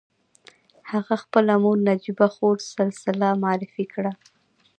هغه خپله مور نجيبه خور سلسله معرفي کړه.